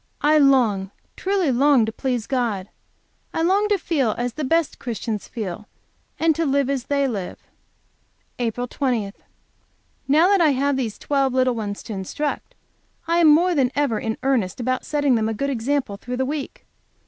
I long, I truly long to please God; I long to feel as the best Christians feel, and to live as they live. APRIL 20. Now that I have these twelve little ones to instruct, I am more than ever in earnest about setting them a good example through the week.